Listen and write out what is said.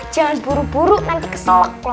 jangan buru buru nanti kesana